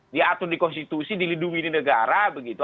diatur di konstitusi dilindungi di negara begitu